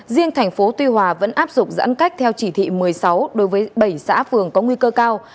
riêng thành phố tuy hòa vẫn áp dụng giãn cách theo chỉ thị một mươi sáu đối với bảy xã phường có nguy cơ cao